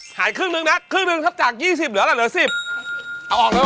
หายครึ่งหนึ่งนะครึ่งหนึ่งสัก๒๐เหลืออะไรเหลือ๑๐